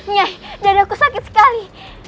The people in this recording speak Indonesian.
nyai dada aku sakit sekali